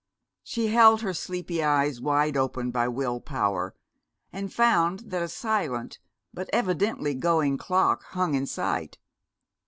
She held her sleepy eyes wide open by will power, and found that a silent but evidently going clock hung in sight.